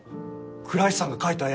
倉石さんが描いた絵。